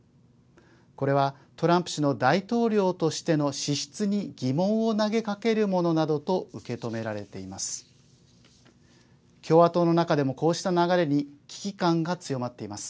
これは、トランプ氏の大統領としての資質に疑問を投げかけるものなどと受け止められています。